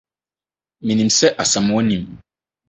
Minim sɛ Asamoa nim.